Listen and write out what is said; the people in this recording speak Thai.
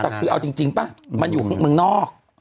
แต่คือเอาจริงป่ะมันอยู่เมืองนอก